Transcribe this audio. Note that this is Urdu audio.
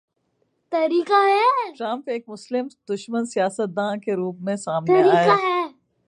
ٹرمپ ایک مسلم دشمن سیاست دان کے روپ میں سامنے آئے۔